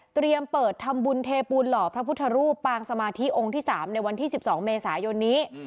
เปิดทำบุญเทปูนหล่อพระพุทธรูปปางสมาธิองค์ที่๓ในวันที่๑๒เมษายนนี้